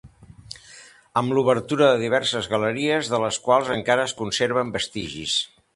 Amb l'obertura de diverses galeries, de les quals encara es conserven vestigis.